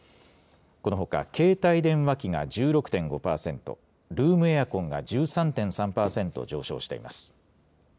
このほか携帯電話機が１６．５％、ルームエアコンが１３．３％上昇しています。